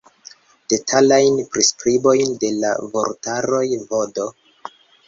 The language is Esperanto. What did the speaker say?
Detalajn priskribojn de la vortaroj vd.